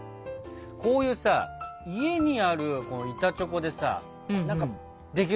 こういうさ家にある板チョコでさ何かできるものないかな？